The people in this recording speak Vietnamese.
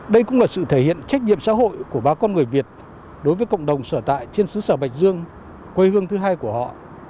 đây cũng là sự thể hiện trách nhiệm xã hội của bà con người việt đối với cộng đồng sở tại trên xứ sở bạch dương quê hương thứ hai của họ